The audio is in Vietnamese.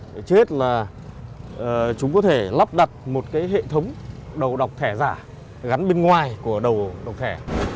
trước hết là chúng có thể lắp đặt một hệ thống đầu đọc thẻ giả gắn bên ngoài của đầu đọc thẻ